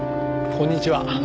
こんにちは。